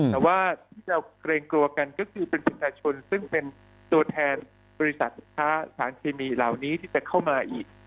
แต่ว่าที่เราเกรงกลัวกันก็คือเป็นประชาชนซึ่งเป็นตัวแทนบริษัทค้าสารเคมีเหล่านี้ที่จะเข้ามาอีก